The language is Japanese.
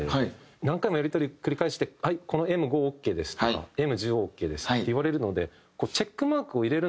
何回もやり取り繰り返して「はいこのＭ５オーケーです」とか「Ｍ１０オーケーです」って言われるので。